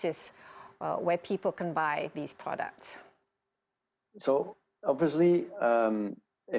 di mana orang dapat membeli produk produk ini